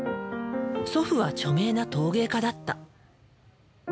祖父は著名な陶芸家だった。